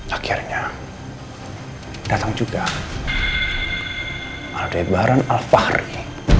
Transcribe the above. akhirnya datang juga aldebaran alfahri